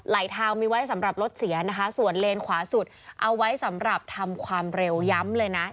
ไหล่เท้ามีไว้สำหรับรถเสียส่วนเลนขวาสุดเอาไว้สำหรับทำความเรวย้ำ